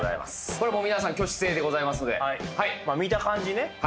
これもう皆さん挙手制でございますのではいはい見た感じ